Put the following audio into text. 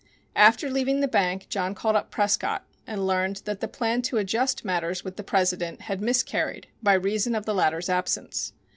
After leaving the bank John called up Prescott and learned that the plan to adjust matters with the president had miscarried by reason of the latter's absence.